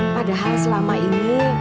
padahal selama ini